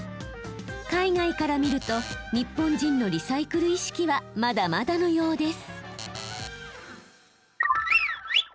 海外から見ると日本人のリサイクル意識はまだまだのようです。